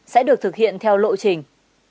sẽ được thực hiện theo lộ trình